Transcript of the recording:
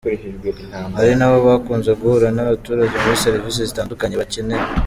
Ari nabo bakunze guhura n’abaturage muri serivisi zitandukanye bakenera.